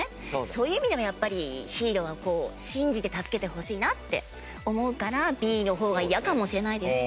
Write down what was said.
そういう意味ではやっぱりヒーローは信じて助けてほしいなって思うからＢの方が嫌かもしれないです。